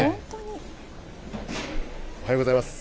おはようございます。